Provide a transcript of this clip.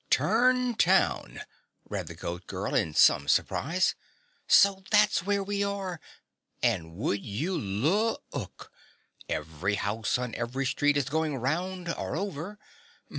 "TURN TOWN!" read the Goat Girl in some surprise. "So that's where we are! And would you loo ook, every house on every street is going round or over.